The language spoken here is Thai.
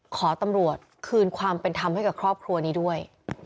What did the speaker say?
ขอตำรวจคืนความเป็นธรรมให้กับครอบครัวนี้ด้วย